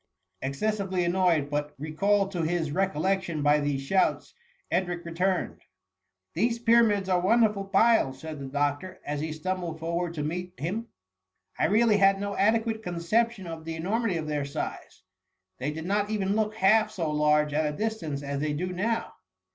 Excessively annoyed, but recalled to his re collection by these shouts, Edric returned. " These Pyramids are wonderful piles,"' said the doctor, as he stumbled forward to meet him. " I really had no adequate conception of the enormity of their size. They did not even look half so large at a distance as they do now.'"